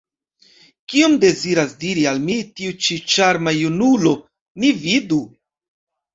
Kion deziras diri al mi tiu ĉi ĉarma junulo? Ni vidu!